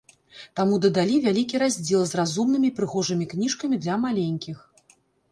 Таму дадалі вялікі раздзел з разумнымі і прыгожымі кніжкамі для маленькіх.